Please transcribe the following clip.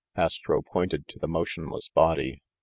Astro pointed to the motionless body.